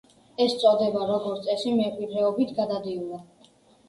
ეს წოდება როგორც წესი მემკვიდრეობით გადადიოდა.